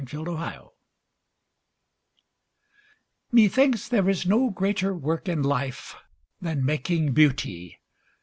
BEAUTY MAKING Methinks there is no greater work in life Than making beauty.